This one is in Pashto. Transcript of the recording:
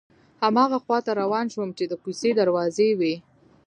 هماغه خواته روان شوم چې د کوڅې دروازې وې.